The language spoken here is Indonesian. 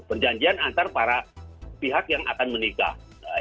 perjanjian antara para pihak yang akan menikah